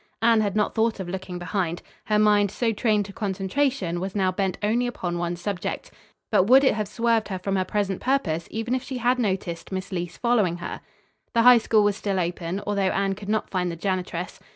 Anne had not thought of looking behind. Her mind, so trained to concentration, was now bent only upon one object. But would it have swerved her from her present purpose, even if she had noticed Miss Leece following her? The High School was still open, although Anne could not find the janitress.